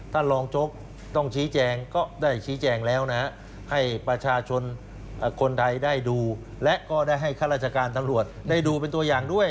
ท่านรองโจ๊กต้องชี้แจงก็ได้ชี้แจงแล้วนะให้ประชาชนคนใดได้ดูและก็ได้ให้ข้าราชการตำรวจได้ดูเป็นตัวอย่างด้วย